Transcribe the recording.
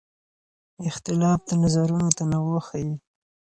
اختلاف د نظرونو تنوع ښيي.